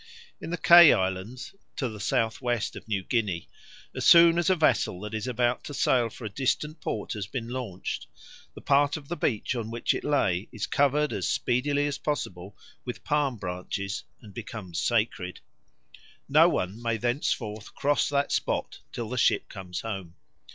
In the Kei Islands, to the southwest of New Guinea, as soon as a vessel that is about to sail for a distant port has been launched, the part of the beach on which it lay is covered as speedily as possible with palm branches, and becomes sacred. No one may thenceforth cross that spot till the ship comes home.